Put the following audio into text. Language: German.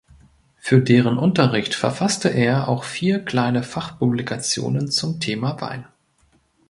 Für deren Unterricht verfasste er auch vier kleine Fachpublikationen zum Thema Wein.